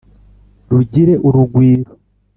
rugire urugwiro